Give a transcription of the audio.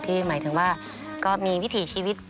หมายถึงว่าก็มีวิถีชีวิต